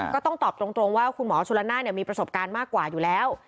ก็ต้องตอบตรงว่าคุณหมอชุลนานมีประสบการณ์มากกว่าอยู่แล้ว